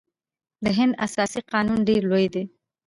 د هند اساسي قانون ډیر لوی دی.